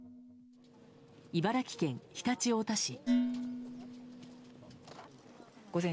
茨城県常陸太田市。